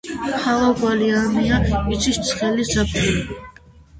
ჰავა გვალვიანია, იცის ცხელი ზაფხული.